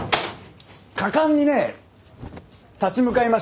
果敢にね立ち向かいましたから。